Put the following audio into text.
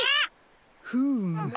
フーム